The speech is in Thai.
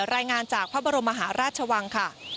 รายงานจากพระบรมมหาราชวังค่ะ